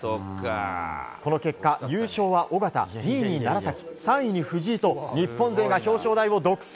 この結果、優勝は緒方２位に楢崎、３位に藤井と日本勢が表彰台を独占。